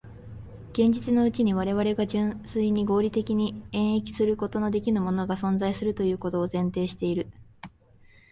現実のうちに我々が純粋に合理的に演繹することのできぬものが存在するということを前提している。